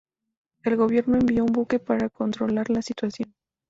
El gobierno envió un buque para controlar la situación.